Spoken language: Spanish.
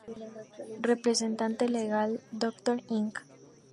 Representante Legal: Dr. Ing.